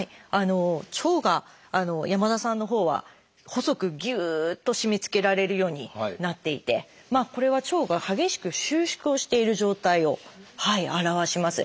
腸が山田さんのほうは細くぎゅっと締めつけられるようになっていてこれは腸が激しく収縮をしている状態を表します。